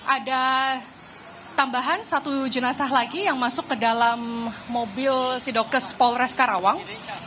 ada tambahan satu jenazah lagi yang masuk ke dalam mobil sidokes polres karawang